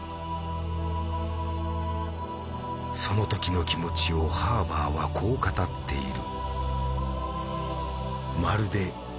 その時の気持ちをハーバーはこう語っている。